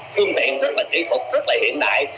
phương tiện rất là kỹ thuật rất là hiện đại